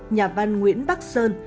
nhà văn nguyễn bắc sơn